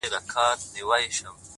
o اوس د شپې سوي خوبونه زما بدن خوري،